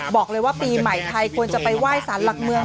บอกเลยว่าปีใหม่ไทยควรจะไปไหว้สารหลักเมือง